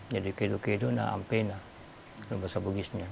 jadi kedo kedo na ampe na dalam bahasa bugisnya